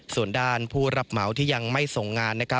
ส่วนด้านผู้รับเหมาที่ยังไม่ส่งงาน